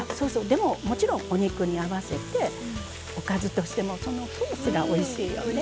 でももちろんお肉に合わせておかずとしてもそのソースがおいしいよね。